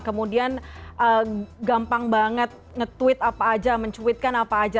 kemudian gampang banget nge tweet apa aja mencuitkan apa aja